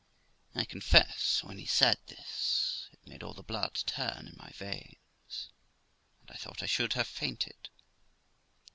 I confess, when he said this, it made all the blood turn in my veins, and I thought I should have fainted.